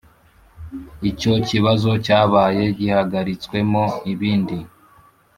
Icyo kibazo cyabaye gihagaritswemo ibindi